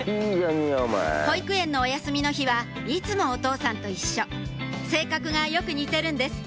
保育園のお休みの日はいつもお父さんと一緒性格がよく似てるんです